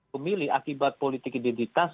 pemilih akibat politik identitas